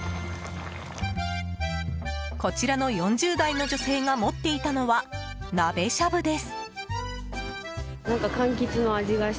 こちらの４０代の女性が持っていたのは、なべしゃぶです。